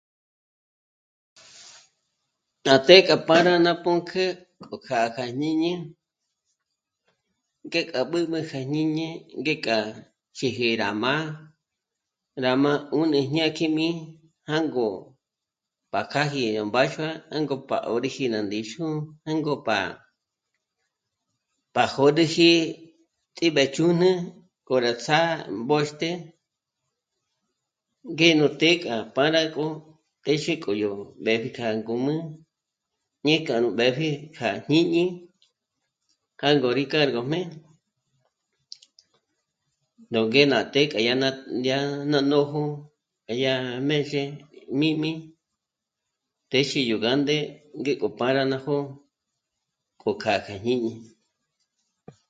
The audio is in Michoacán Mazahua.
Ná të́'ë k'a pâra ná pǔnkjü k'o kjâ'a kja jñíñí, ngé k'a b'ǚb'ü kja jñíñi ngék'a xéje rá má'a, rá má 'ùnü jñákjimi jângo pa k'âji mbáxua, jângo pa 'oö́rüji ná ndíxu, jângo pa... pa jód'üji t'íb'e chûn'e k'o rá ts'â'a mbóxte ngé nú të́'ë k'a pâragö téxe k'o yó b'épji k'a ngǔm'ü ñe k'anu b'épji kja jñíñi k'ângo rí kárgojmé nóngé ná të́'ë k'a yá ná dyà ná nójo k'a dyá mézhe mī́mī, téxe yó gánde ngék'o pâra ná jó'o k'o k'a kja jñíñi